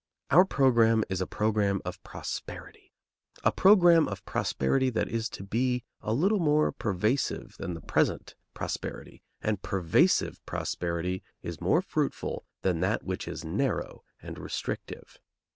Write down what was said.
Our program is a program of prosperity; a program of prosperity that is to be a little more pervasive than the present prosperity, and pervasive prosperity is more fruitful than that which is narrow and restrictive.